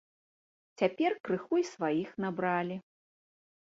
Цяпер крыху і сваіх набралі.